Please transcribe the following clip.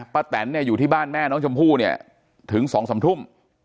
แตนเนี่ยอยู่ที่บ้านแม่น้องชมพู่เนี่ยถึง๒๓ทุ่ม